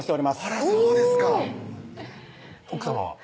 あらそうですか奥さまは？